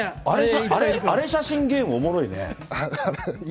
アレ写真ゲームおもろいね。